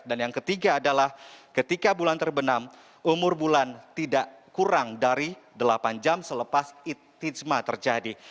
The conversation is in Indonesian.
dan yang ketiga adalah ketika bulan terbenam umur bulan tidak kurang dari delapan jam selepas itizma terjadi